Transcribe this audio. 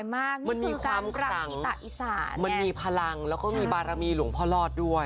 มันมีความกรรมมันมีพลังและก็มีบารมีหลวงพ่อรอดด้วย